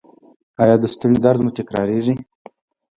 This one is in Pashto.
ایا د ستوني درد مو تکراریږي؟